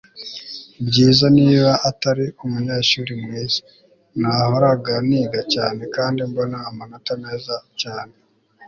byiza, niba atari umunyeshuri mwiza. nahoraga niga cyane kandi mbona amanota meza cyane